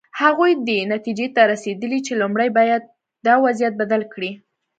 هغوی دې نتیجې ته رسېدلي چې لومړی باید دا وضعیت بدل کړي.